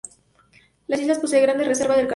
La isla posee grandes reservas de carbón.